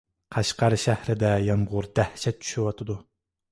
قەشقەر شەھىرىدە يامغۇر دەھشەت چۈشۈۋاتىدۇ.